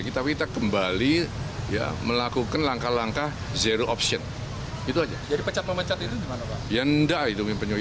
kalau sudah konflik sampai berminggu minggu berbulan bulan kita islah